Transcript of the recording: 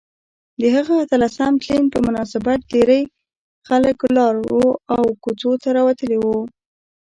د هغه اتلسم تلین په مناسبت ډیرۍ خلک لارو او کوڅو ته راوتلي ول